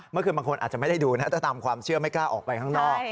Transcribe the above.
บางคนอาจจะไม่ได้ดูนะถ้าตามความเชื่อไม่กล้าออกไปข้างนอก